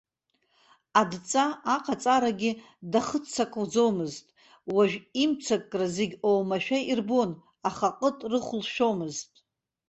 Адҵа аҟаҵарагьы дахыццакӡомызт, уажә имццакра зегьы оумашәа ирбон, аха ҟыт рыхәылшәомызт.